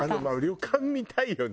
旅館見たいよね。